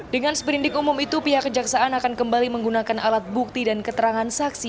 dengan sprindik umum itu pihak kejaksaan akan kembali menggunakan alat bukti dan keterangan saksi